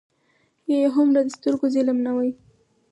یا یې هومره د سترګو ظلم نه وای.